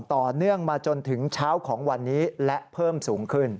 ต่อเนื่องมาจนถึงเช้าของวันนี้และเพิ่มสูงขึ้น